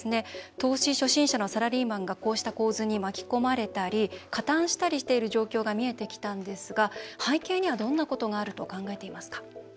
投資初心者のサラリーマンがこうした構図に巻き込まれたり加担したりしている状況が見えてきたんですが背景にはどんなことがあると考えていますか？